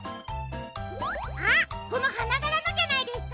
あっこのはながらのじゃないですか？